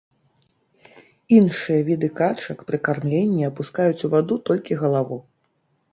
Іншыя віды качак пры кармленні апускаюць у ваду толькі галаву.